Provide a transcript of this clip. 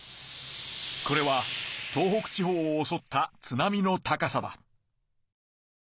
これは東北地方をおそった津波の高さだ。